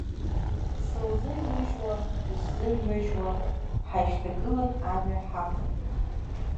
Сылзынмыжьуа, дысзынмыжьуа, ҳаишьҭагылан амҩа ҳақәын.